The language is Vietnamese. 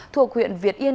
thuộc huyện việt yên